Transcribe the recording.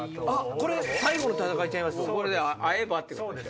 これ最後の戦いちゃいます？